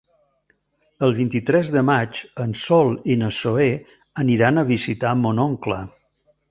El vint-i-tres de maig en Sol i na Zoè aniran a visitar mon oncle.